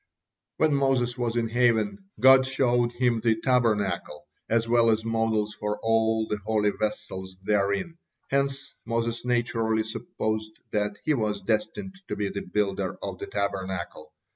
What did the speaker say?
'" When Moses was in heaven, God showed him the Tabernacle, as well as models for all the holy vessels therein, hence Moses naturally supposed that he was destined to be the builder of the Tabernacle.